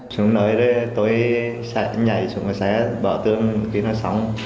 chúng nói tôi sẽ nhảy chúng sẽ bỏ tương khi nó sống